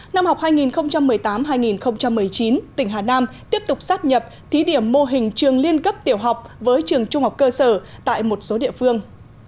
năm học hai nghìn một mươi tám hai nghìn một mươi chín tỉnh hà nam tiếp tục sắp nhập thí điểm mô hình trường liên cấp tiểu học với trường trung học cơ sở tại một số địa phương